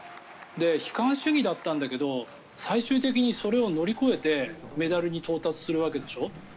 悲観主義だったんだけど最終的にそれを乗り越えてメダルに到達するわけでしょ。